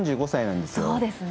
３５歳なんですよ。